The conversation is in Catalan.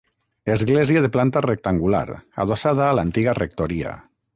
Església de planta rectangular, adossada a l'antiga rectoria.